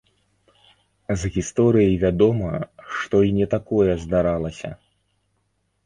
З гісторыі вядома, што і не такое здаралася.